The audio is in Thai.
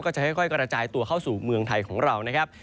จะค่อยกระจายตัวเข้าสู่เมืองไทยของเรานะครับ